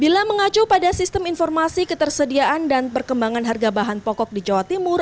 bila mengacu pada sistem informasi ketersediaan dan perkembangan harga bahan pokok di jawa timur